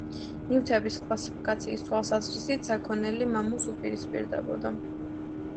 ნივთების კლასიფიკაციის თვალსაზრისით საქონელი მამულს უპირისპირდებოდა.